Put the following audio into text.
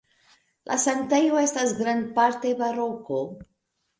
La sanktejo estas grandparte baroko.